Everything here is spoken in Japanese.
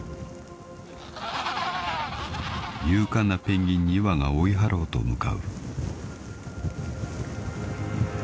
［勇敢なペンギン２羽が追い払おうと向かう］